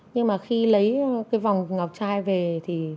nhưng mà khi lấy cái vòng ngọc trai về thì